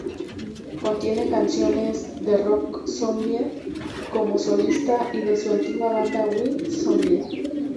Contiene canciones de Rob Zombie como solista y de su antigua banda, White Zombie.